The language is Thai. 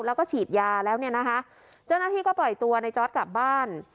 แล้วก็ฉีดยาแล้วเนี่ยนะคะเจ้าหน้าที่ก็ปล่อยตัวในจอร์ดกลับบ้าน